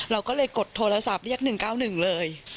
เราก็เลยกดโทรศัพท์เรียก๑๙๑เลย